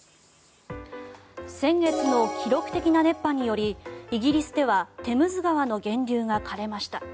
先月の記録的な熱波によりイギリスではテムズ川の源流が枯れました。